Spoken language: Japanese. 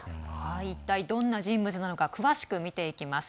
一体、どんな人物なのか詳しく見ていきます。